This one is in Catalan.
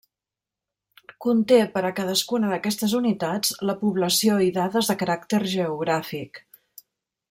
Conté, per a cadascuna d'aquestes unitats, la població i dades de caràcter geogràfic.